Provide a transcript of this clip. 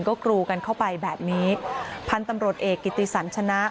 ก็กรูกันเข้าไปแบบนี้พันธุ์ตำรวจเอกกิติสันชนะ